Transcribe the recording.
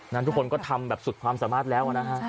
ทุกคนก็ทำแบบสุดความสามารถแล้วนะฮะ